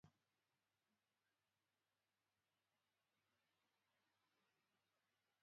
The logo is also very similar to the Portuguese one.